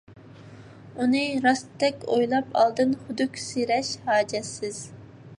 ئۇنى راستتەك ئويلاپ ئالدىن خۇدۈكسېرەش ھاجەتسىز.